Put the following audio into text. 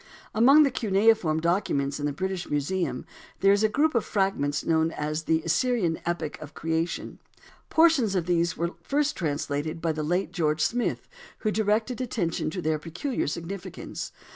Among the cuneiform documents in the British museum, there is a group of fragments known as the Assyrian Epic of Creation. Portions of these were first translated by the late George Smith, who directed attention to their peculiar significance.